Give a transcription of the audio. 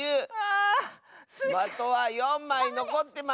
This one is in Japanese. まとは４まいのこってます。